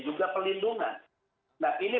juga pelindungan nah ini